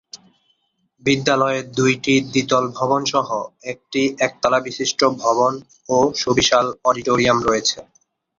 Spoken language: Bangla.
বিদ্যালয়ে দুইটি দ্বিতল ভবন সহ একটি একতলা বিশিষ্ট ভবন ও সুবিশাল অডিটোরিয়াম রয়েছে।